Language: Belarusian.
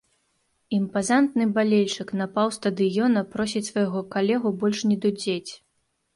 Імпазантны балельшчык на паўстадыёна просіць свайго калегу больш не дудзець.